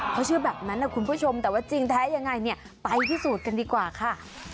เขาเชื่อแบบนั้นนะคุณผู้ชมแต่ว่าจริงแท้ยังไงเนี่ยไปพิสูจน์กันดีกว่าค่ะ